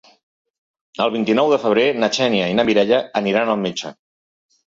El vint-i-nou de febrer na Xènia i na Mireia aniran al metge.